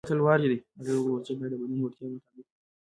هغې وویل ورزش باید د بدن د وړتیاوو مطابق وي.